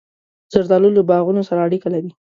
زردالو له باغونو سره اړیکه لري.